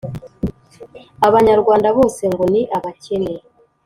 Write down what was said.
Abanyarwanda bose ngo ni abakene.